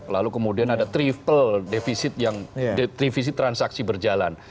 lalu kemudian ada triple defisit transaksi berjalan